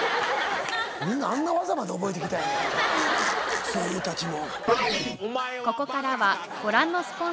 みんなあんな技まで覚えて来た声優たちも。